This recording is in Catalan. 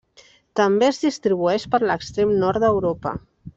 També es distribueix per l'extrem nord d'Europa.